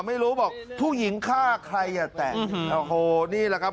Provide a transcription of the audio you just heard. ไม่รู้บอกผู้หญิงฆ่าใครอย่าแตะโอ้โหนี่แหละครับ